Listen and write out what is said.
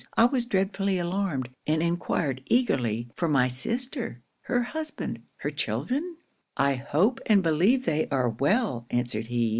I was dreadfully alarmed, and enquired eagerly for my sister? her husband? her children? '"I hope, and believe they are well," answered he.